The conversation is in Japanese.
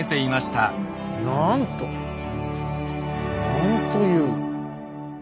なんという。